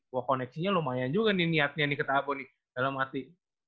wah koneksinya lumayan juga nih niatnya nih ketah bu nih dalam hati